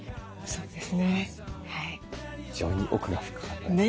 そうですね。